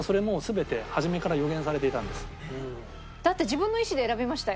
だって自分の意思で選びましたよ？